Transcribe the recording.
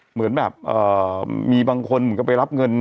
เหมือนแบบมีบางคนก็ไปรับเงิน